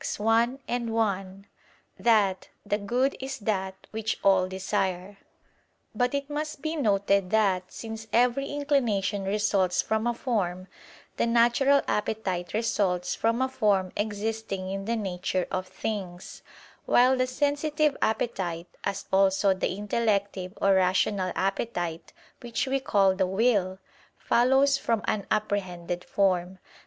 i, 1) that "the good is that which all desire." But it must be noted that, since every inclination results from a form, the natural appetite results from a form existing in the nature of things: while the sensitive appetite, as also the intellective or rational appetite, which we call the will, follows from an apprehended form.